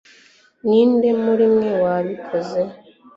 ninde muri mwe wabikoze